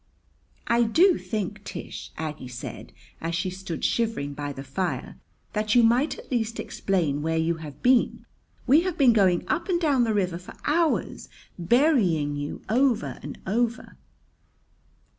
"I do think, Tish," Aggie said as she stood shivering by the fire, "that you might at least explain where you have been. We have been going up and down the river for hours, burying you over and over."